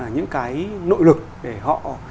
những cái nội lực để họ